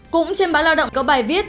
cũng trên báo lao động có bài viết